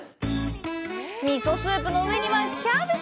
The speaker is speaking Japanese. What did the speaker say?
味噌スープの上にはキャベツ。